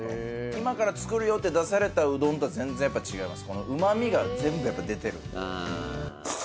「今から作るよ」って出されたうどんとは全然違います。